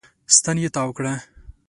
ستن يې تاو کړه.